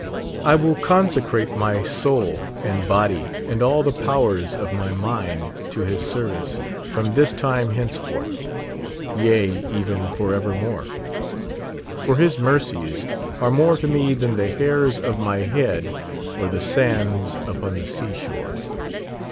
I will consecrate my soul and body and all the powers of my mind t/f his service, from this time hence forth ; yea, even forever more ; for his mercies are more to me than the hairs of my head or the sands upon the sea shore.